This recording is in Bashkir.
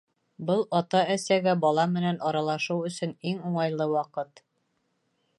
Был ата-әсәгә бала менән аралашыу өсөн иң уңайлы ваҡыт.